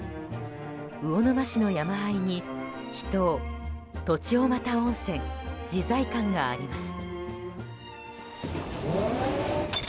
魚沼市の山あいに秘湯・栃尾又温泉自在館があります。